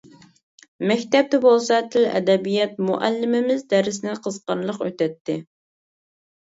مەكتەپتە بولسا تىل-ئەدەبىيات مۇئەللىمىمىز دەرسنى قىزىقارلىق ئۆتەتتى.